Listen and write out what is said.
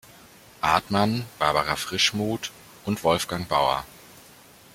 Artmann, Barbara Frischmuth und Wolfgang Bauer.